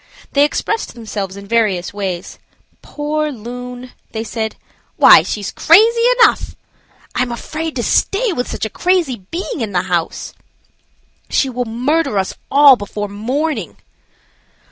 They expressed themselves in various ways. "Poor loon!" they said. "Why, she's crazy enough!" "I am afraid to stay with such a crazy being in house." "She will murder us all before morning."